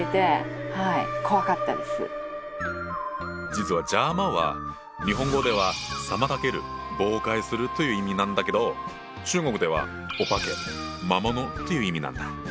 実は「邪魔」は日本語では「妨げる・妨害する」という意味なんだけど中国では「お化け・魔物」という意味なんだ。